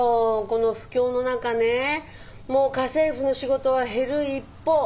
この不況の中ねもう家政婦の仕事は減る一方。